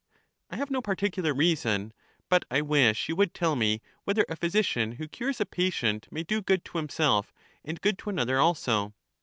I have no particular reason, but I wish you would tell me whether a physician who cures a patient may do good to himself and good to another also?